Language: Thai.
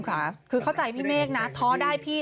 คือเข้าใจพี่เมฆนะท้อได้พี่